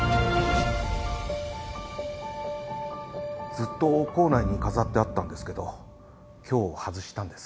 ずっと構内に飾ってあったんですけど今日外したんです。